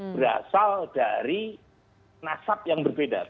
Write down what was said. berasal dari nasab yang berbeda